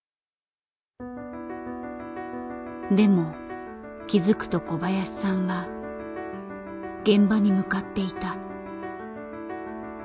でも気付くと小林さんは現場に向かっていた。